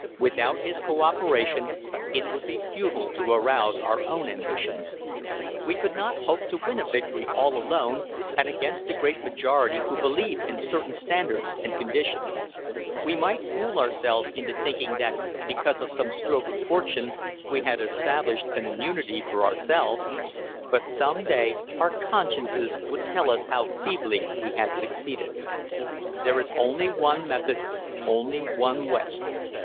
Without his co operation it would be futile to arouse our own ambitions. We could not hope to win a victory all alone and against the great majority who believe in certain standards and conditions. We might fool ourselves into thinking that because of some stroke of fortune we had established an immunity for ourselves. But some day our consciences would tell us how feebly we had succeeded. There is only one method, only one way